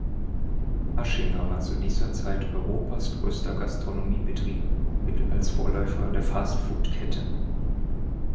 Aschinger war zu dieser Zeit Europas größter Gastronomiebetrieb und gilt als Vorläufer der Fastfood-Ketten.